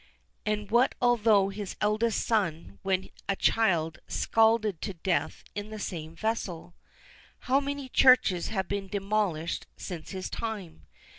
And what although his eldest son was when a child scalded to death in the same vessel? How many churches have been demolished since his time?